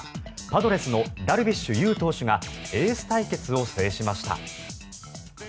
パドレスのダルビッシュ有投手がエース対決を制しました。